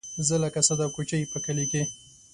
زه لکه ساده کوچۍ په کلي کې